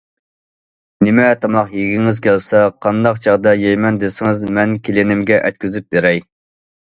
نېمە تاماق يېگۈڭىز كەلسە، قانداق چاغدا يەيمەن دېسىڭىز مەن كېلىنىمگە ئەتكۈزۈپ بېرەي.